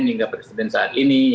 hingga presiden saat ini